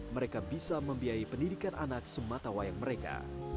mereka bisa membiayai pendidikan anak sematawayang mereka